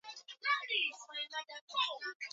Zanzibar inapata wageni laki moja tu kwa mwaka